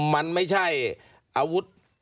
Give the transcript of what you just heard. มันไม่ใช่อาวุธ